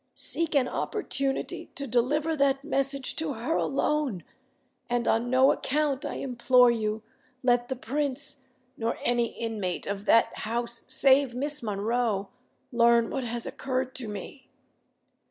"Seek an opportunity to deliver that message to her alone;—and on no account, I implore you, let the Prince—nor any inmate of that house save Miss Monroe—learn what has occurred to me."